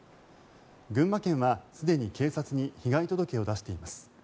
群馬県はすでに警察に被害届を出しています。